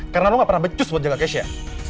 karena lo gak pernah becus buat jaga keisha